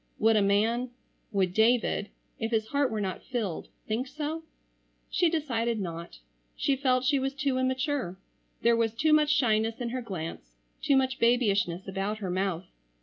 Would a man,—would David,—if his heart were not filled,—think so? She decided not. She felt she was too immature. There was too much shyness in her glance, too much babyishness about her mouth.